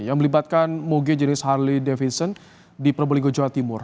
yang melibatkan moge jenis harley davison di probolinggo jawa timur